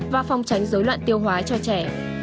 và phòng tránh dối loạn tiêu hóa cho trẻ